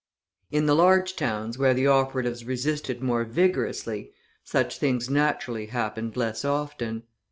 In the large towns where the operatives resisted more vigorously, such things naturally happened less often.